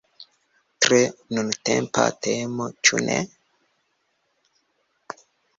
Tre nuntempa temo, ĉu ne?